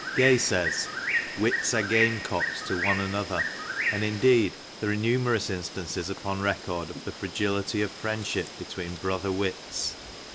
Gay says, "Wits are game cooks to one another," and indeed there are numerous instances upon record, of the fragility of friendship between brother wits.